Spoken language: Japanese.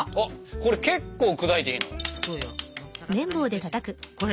これ結構砕いていいの？